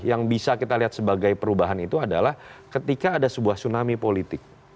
yang bisa kita lihat sebagai perubahan itu adalah ketika ada sebuah tsunami politik